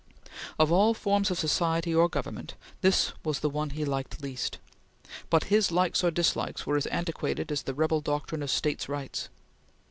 Of all forms of society or government, this was the one he liked least, but his likes or dislikes were as antiquated as the rebel doctrine of State rights.